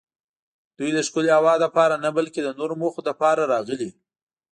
دوی د ښکلې هوا لپاره نه بلکې د نورو موخو لپاره راغلي.